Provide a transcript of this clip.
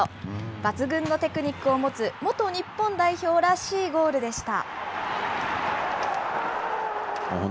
抜群のテクニックを持つ、元日本代表らしいゴールでした。